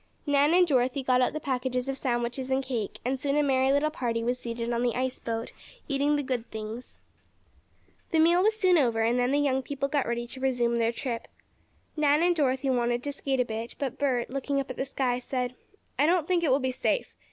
Nan and Dorothy got out the packages of sandwiches and cake, and soon a merry little party was seated on the ice boat, eating the good things. The meal was soon over and then the young people got ready to resume their trip. Nan and Dorothy wanted to skate a bit, but Bert looking up at the sky, said: "I don't think it will be safe.